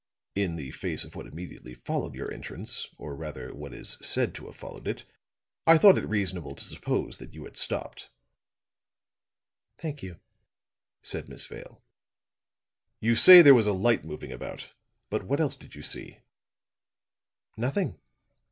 In the face of what immediately followed your entrance, or rather, what is said to have followed it, I thought it reasonable to suppose that you had stopped!" "Thank you," said Miss Vale. "You say there was a light moving about; but what else did you see?" "Nothing."